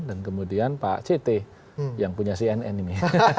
dan kemudian pak ct yang punya cnn ini